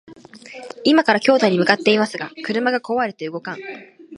今から京都に向かいますが、車が壊れていて動かん